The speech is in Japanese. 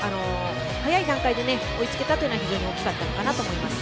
早い段階で追い付けたというのは非常に大きかったと思います。